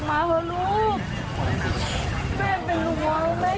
แม่ไม่รู้หวังไหมถ้าแขนย้ายอยู่ตรงไหน